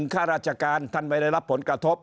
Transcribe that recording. ข้าราชการท่านไม่ได้รับผลกระทบ